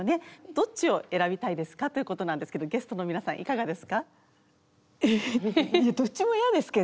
どっちを選びたいですかということなんですけどゲストの皆さんいかがですか。